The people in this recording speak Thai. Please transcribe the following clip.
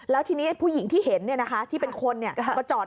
แล้วทีนี้ผู้หญิงที่เห็นเนี่ยนะคะที่เป็นคนเนี่ย